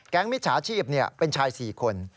แก๊งมิตรชาชีพเป็นชาย๔คน